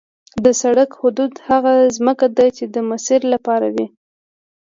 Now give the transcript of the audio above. د سړک حدود هغه ځمکه ده چې د مسیر لپاره وي